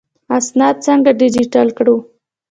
اسناد څنګه ډیجیټل کړو؟